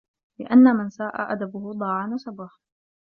لِأَنَّ مَنْ سَاءَ أَدَبُهُ ضَاعَ نَسَبُهُ